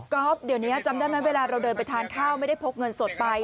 ก็เดี๋ยวนี้จำได้ไหมเวลาเราเดินไปทานข้าวไม่ได้พกเงินสดไป